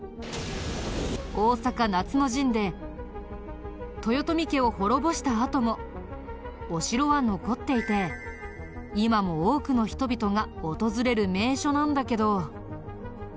大坂夏の陣で豊臣家を滅ぼしたあともお城は残っていて今も多くの人々が訪れる名所なんだけど。